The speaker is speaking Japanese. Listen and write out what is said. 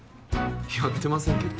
やってませんけど。